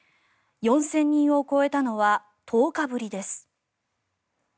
４０００人を超えたのは１０日ぶりです。